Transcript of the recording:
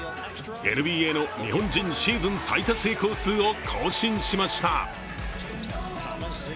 ＮＢＡの日本人シーズン最多成功数を更新しました。